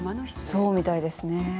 そうみたいですね。